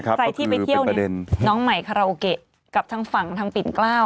ใครที่ไปเที่ยวเนี่ยน้องใหม่คาราโอเกะกับทางฝั่งทางปิ่นกล้าว